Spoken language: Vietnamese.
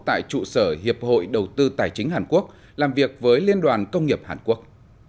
tại trụ sở hiệp hội đầu tư tài chính hàn quốc làm việc với liên đoàn công nghiệp hàn quốc